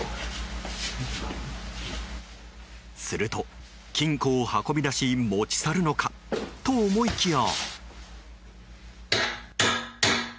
すると、金庫を運び出し持ち去るのかと思いきや。